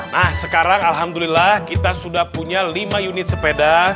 nah sekarang alhamdulillah kita sudah punya lima unit sepeda